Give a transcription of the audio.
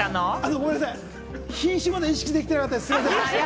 ごめんなさい、品種まで意識できてなかった。